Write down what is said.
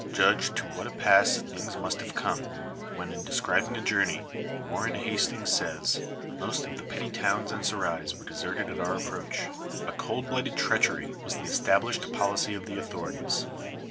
Judge to what a pass things must have come when, in describing a journey, Warren Hastings says, " most of the petty towns and serais were deserted at our approach." A cold blooded treachery was the established policy of the authorities.